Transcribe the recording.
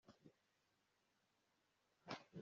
Yanteye gutakaza ma amafaranga